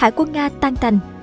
hải quân nga tan thành